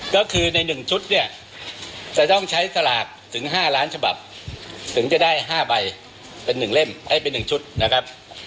ก็คือใน๑ชุดเนี่ยจะต้องใช้สลากถึง๕ล้านฉบับถึงจะได้๕ใบเป็น๑เล่มให้เป็น๑ชุดนะครับ